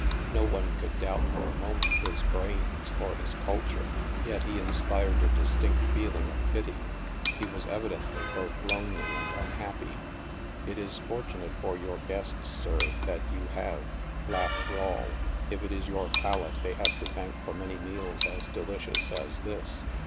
No one could doubt for a moment his brains, or his culture. Yet he inspired a distinct feeling of pity; he was evidently both lonely and unhappy. "It is fortunate for your guests, sir, that you have," laughed Rawle, "if it is your palate they have to thank for many meals as delicious as this."